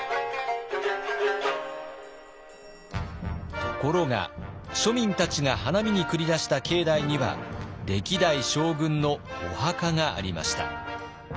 ところが庶民たちが花見に繰り出した境内には歴代将軍のお墓がありました。